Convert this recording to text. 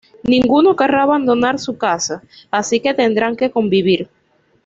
Ninguno querrá abandonar "su casa", así que tendrán que convivir.